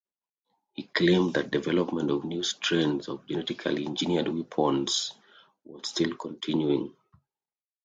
He claimed that development of new strains of genetically engineered weapons was still continuing.